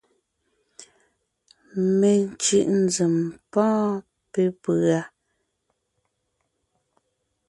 Mencʉ̀ʼ nzèm pɔ́ɔn pépʉ́a: